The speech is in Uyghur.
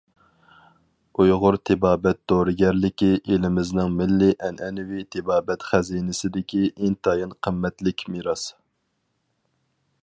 ئۇيغۇر تېبابەت دورىگەرلىكى ئېلىمىزنىڭ مىللىي ئەنئەنىۋى تېبابەت خەزىنىسىدىكى ئىنتايىن قىممەتلىك مىراس.